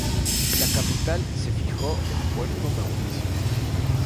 La capital se fijó en Puerto Mauricio.